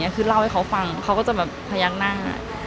คือเล่าให้เขาฟังเขาก็จะแบบพยักหน้า